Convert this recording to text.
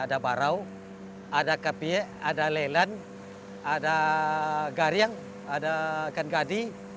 ada barau ada kepie ada lelan ada garyang ada geng geni